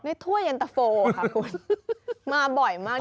ถ้วยเย็นตะโฟค่ะคุณมาบ่อยมาก